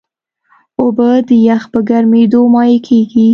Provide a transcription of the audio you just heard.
اوبه د یخ په ګرمیېدو مایع کېږي.